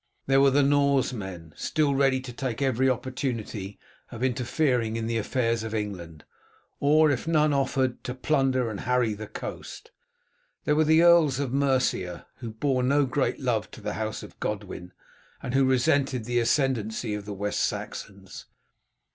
There were the Norsemen, still ready to take every opportunity of interfering in the affairs of England, or, if none offered, to plunder and harry the coast. There were the earls of Mercia, who bore no great love to the house of Godwin, and who resented the ascendency of the West Saxons.